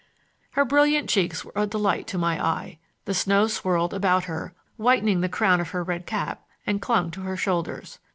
Her brilliant cheeks were a delight to the eye. The snow swirled about her, whitened the crown of her red cap and clung to her shoulders.